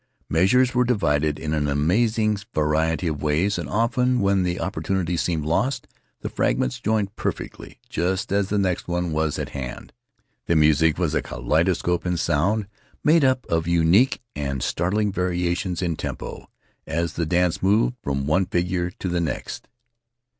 Measures were divided in an amazing variety of ways, and often when the opportunity seemed lost the fragments joined perfectly just as the next one was at hand. The music was a kaleidoscope in sound, made up of unique and startling variations in tempo, as the dance moved from one figure to the next.